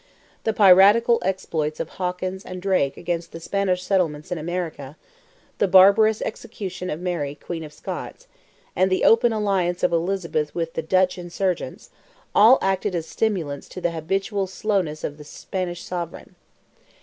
The piratical exploits of Hawkins and Drake against the Spanish settlements in America, the barbarous execution of Mary, Queen of Scots, and the open alliance of Elizabeth with the Dutch insurgents, all acted as stimulants to the habitual slowness of the Spanish sovereign.